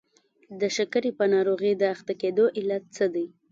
د شکرې په ناروغۍ د اخته کېدلو علت څه دی؟